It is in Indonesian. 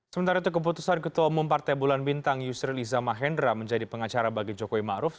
sementara itu keputusan ketua umum partai bulan bintang yusril iza mahendra menjadi pengacara bagi jokowi ⁇ maruf ⁇